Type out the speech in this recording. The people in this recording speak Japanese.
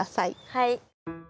はい。